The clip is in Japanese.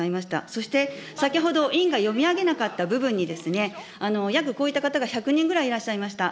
そして、先ほど委員が読み上げなかった部分に、約こういった方が１００人ぐらいいらっしゃいました。